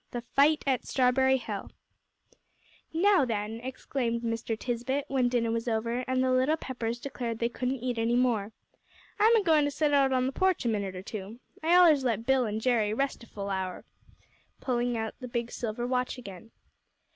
XVII THE FIGHT AT STRAWBERRY HILL "Now, then," exclaimed Mr. Tisbett, when dinner was over, and the little Peppers declared they couldn't eat any more, "I'm a goin' to set out on th' porch a minute or two. I allers let Bill an' Jerry rest a full hour," pulling out the big silver watch again.